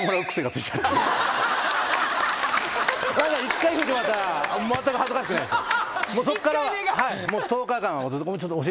１回拭いてもらったらまったく恥ずかしくないですよ。